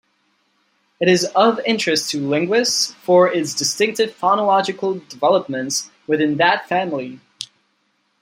It is of interest to linguists for its distinctive phonological developments within that family.